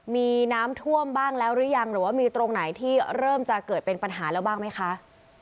มีน้ำท่วมบ้างแล้วหรือยังหรือว่ามีตรงไหนที่เริ่มจะเกิดเป็นปัญหาแล้วบ้างไหมคะ